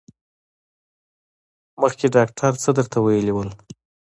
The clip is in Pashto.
مخکې ډاکټر څه درته ویلي وو؟